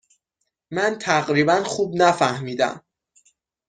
من تقریبا خوب نفهمیدم.